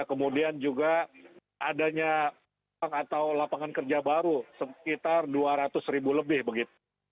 kemudian juga adanya atau lapangan kerja baru sekitar dua ratus ribu lebih begitu